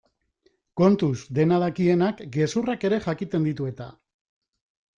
Kontuz, dena dakienak gezurrak ere jakiten ditu eta?